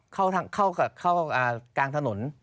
เข้ากลางถนน